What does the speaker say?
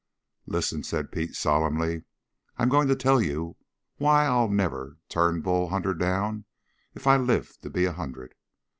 "Listen," said Pete solemnly. "I'm going to tell you why I'll never turn Bull Hunter down if I live to be a hundred!